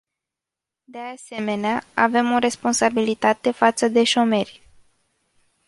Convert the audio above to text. De asemenea, avem o responsabilitate față de șomeri.